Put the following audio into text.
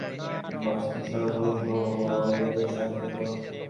আমাকে ভয়ভীতি থেকে রক্ষাকারী বস্তুসমূহ অর্জনে সাহায্য কর!